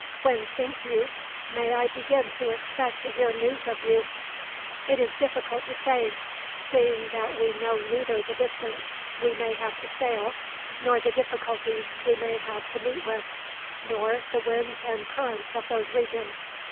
When think you may I begin to expect to hear news of you?" "It is difficult to say, seeing that we know neither the distance we may have to sail, nor the difficulties we may have to meet with, nor the winds and currents of those regions.